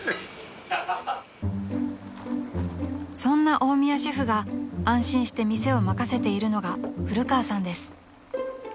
［そんな大宮シェフが安心して店を任せているのが古川さんです］